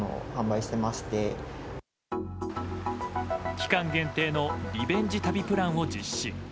期間限定のリベンジ旅プランを実施。